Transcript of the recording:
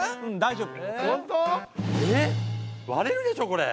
割れるでしょこれ。